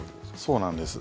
そうなんです。